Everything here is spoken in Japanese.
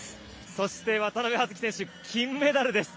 そして渡部葉月選手金メダルです。